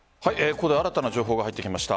ここで新たな情報が入ってきました。